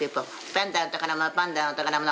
パンダの宝物パンダの宝物。